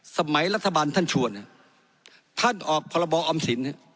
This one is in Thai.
รัฐบาลท่านชวนท่านออกพรบออมสิน